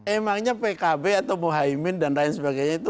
emangnya pkb atau mohaimin dan lain sebagainya itu